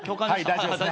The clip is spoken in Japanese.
大丈夫です。